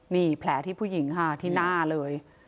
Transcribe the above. นี่แผลที่ผู้หญิงค่ะที่หน้าเลย